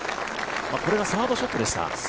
これがサードショットでした。